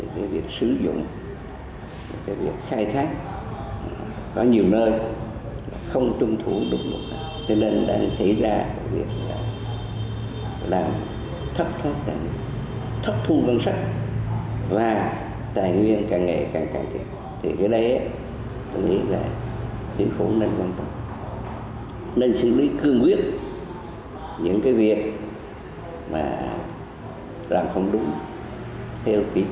và tài nguyên càng nghệ càng càng kịp thì cái đấy tôi nghĩ là tỉnh phú năng văn tập nên xử lý cương quyết những cái việc mà làm không đúng theo ký cương vật pháp